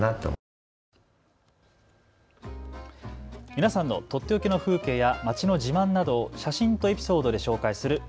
皆さんのとっておきの風景や街の自慢などを写真とエピソードで紹介する＃